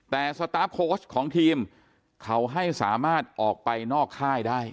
แต่สตาร์ฟโค้ชของทีมเขาให้สามารถออกไปนอกค่ายได้